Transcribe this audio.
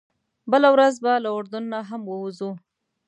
بله ورځ به له اردن نه هم ووځو.